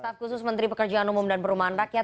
staf khusus menteri pekerjaan umum dan perumahan rakyat